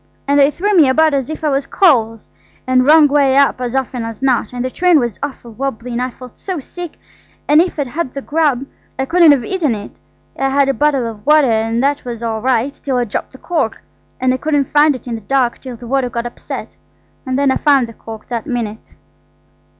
And they threw me about as if I was coals–and wrong way up as often as not. And the train was awful wobbly, and I felt so sick, and if I'd had the grub I couldn't have eaten it. I had a bottle of water. And that was all right till I dropped the cork, and I couldn't find it in the dark till the water got upset, and then I found the cork that minute.